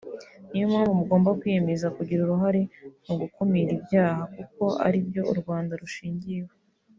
niyo mpamvu mugomba kwiyemeza kugira uruhare mu gukumira ibyaha kuko ari byo u Rwanda rushingiyeho